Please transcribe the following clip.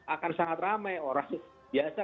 akan sangat ramai orang biasa